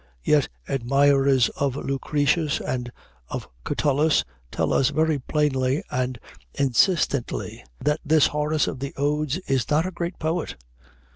Yet admirers of Lucretius and of Catullus tell us very plainly and insistently that this Horace of the Odes is not a great poet.